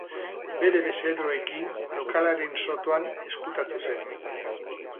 Bere bezeroekin lokalaren sotoan ezkutatu zen.